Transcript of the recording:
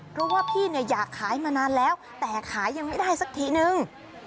เพราะว่าพี่เนี่ยอยากขายมานานแล้วแต่ขายยังไม่ได้สักทีนึง